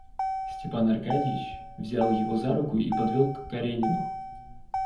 Степан Аркадьич взял его за руку и подвел к Каренину.